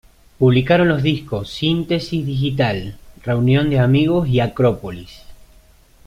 Publicaron los discos Síntesis digital, reunión de amigos y acrópolis.